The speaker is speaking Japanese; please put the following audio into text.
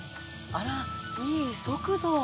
あらいい速度。